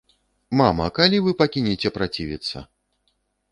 Мама, калі вы пакінеце працівіцца?